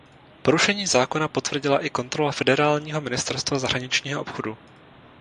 Porušení zákona potvrdila i kontrola federálního ministerstva zahraničního obchodu.